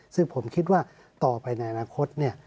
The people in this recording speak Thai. ซึ่งผมคิดว่าต่อไปในอนาคต